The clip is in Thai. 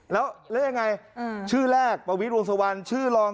แล้วยังไงชื่อแรกปวีชรวงศวรชื่อลอง